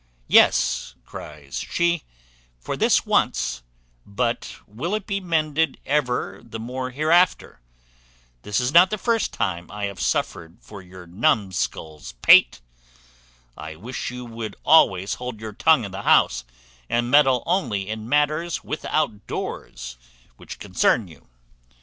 "Yes," cries she, "for this once; but will it be mended ever the more hereafter? This is not the first time I have suffered for your numscull's pate. I wish you would always hold your tongue in the house, and meddle only in matters without doors, which concern you.